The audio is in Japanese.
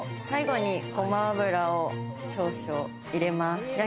最後に、ゴマ油を少々入れます。